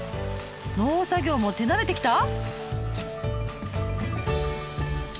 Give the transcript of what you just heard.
農作業も手慣れてきた？